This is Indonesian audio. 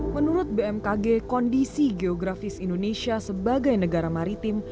menurut bmkg kondisi geografis indonesia sebagai negara maritim